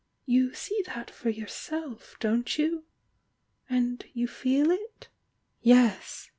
You see that for yourself, don't you? — and you feel it?" "Yes."